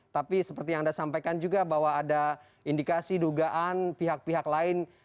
tapi seperti yang anda sampaikan juga bahwa ada indikasi dugaan pihak pihak lain